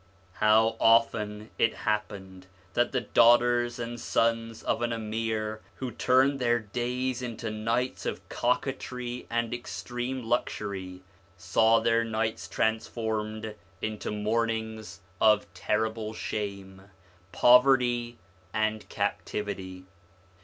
How often it happened that the daughters and sons of an Amir who turned their days into nights of coquetry and extreme luxury, saw their nights transformed into mornings of terrible shame, poverty, and captivity.